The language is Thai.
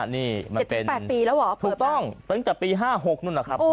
๗๘ปีแล้วเหรอเปิดป่ะถูกต้องตั้งแต่ปี๕๖นั่นแหละครับ